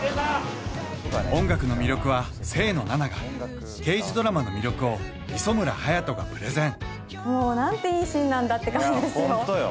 音楽の魅力は清野菜名が刑事ドラマの魅力を磯村勇斗がプレゼン何ていいシーンなんだって感じですよ